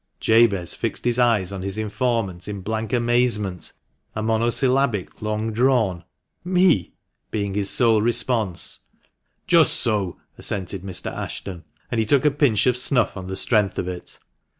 Jabez fixed his eyes on his informant in blank amazement, a monosyllabic long drawn " Me !" being his sole response. " Just so !" assented Mr. Ashton, and he took a pinch of snuff on the strength of it.